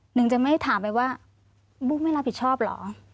หนึ่งจะไม่ถามไปว่าบุ๊คไม่รับผิดชอบเหรอ